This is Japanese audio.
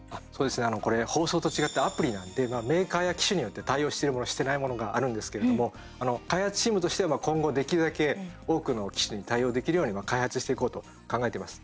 これ、放送と違ってアプリなんでメーカーや機種によって対応してるもの、してないものがあるんですけれども開発チームとしては今後、できるだけ多くの機種に対応できるように開発していこうと考えてます。